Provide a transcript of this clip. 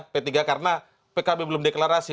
p tiga karena pkb belum deklarasi